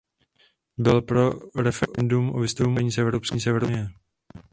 Byl by pro referendum o vystoupení z Evropské unie.